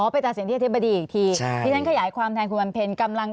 ไปตัดสินที่อธิบดีอีกทีที่ฉันขยายความแทนคุณวันเพ็ญกำลัง